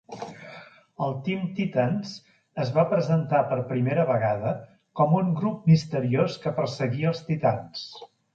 El Team Titans es va presentar per primera vegada com un grup misteriós que perseguia els titans.